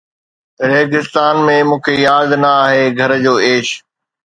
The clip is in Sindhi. ريگستان ۾، مون کي ياد نه آهي گهر جو عيش